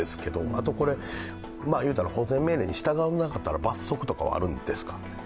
あとこれ、言うたら保全命令に従わなかったら罰則とかはあるんですか？